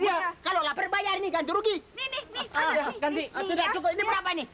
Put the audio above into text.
eh una bangunya berapa